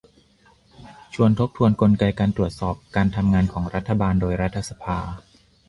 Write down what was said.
ชวนทบทวนกลไกการตรวจสอบการทำงานของรัฐบาลโดยรัฐสภา